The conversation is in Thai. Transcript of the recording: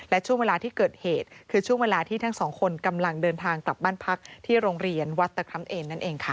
และช่วงเวลาที่เกิดเหตุคือช่วงเวลาที่ทั้งสองคนกำลังเดินทางกลับบ้านพักที่โรงเรียนวัดตะคร้ำเอนนั่นเองค่ะ